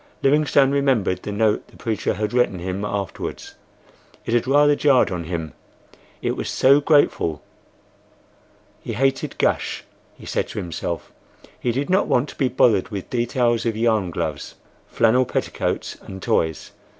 Livingstone remembered the note the preacher had written him afterwards—it had rather jarred on him, it was so grateful. He hated "gush," he said to himself; he did not want to be bothered with details of yarn gloves, flannel petticoats, and toys.